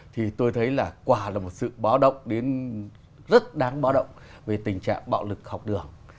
thì tôi thấy là quả là một sự báo động đến rất đáng báo động về tình trạng bạo lực học đường